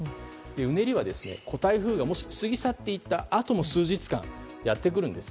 うねりは台風が過ぎ去っていったあとも数日間やってくるんです。